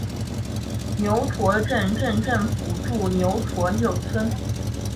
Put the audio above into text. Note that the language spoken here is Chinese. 牛驼镇镇政府驻牛驼六村。